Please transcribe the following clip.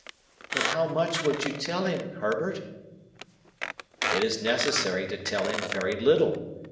"But how much would you tell him, Herbert?" "It is necessary to tell him very little.